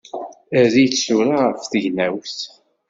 Err-itt tura ɣef tegnawt!